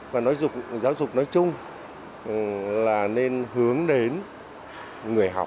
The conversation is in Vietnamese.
và giáo dục nói chung là nên hướng đến người học